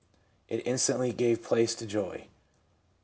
It instantly gave place to joy.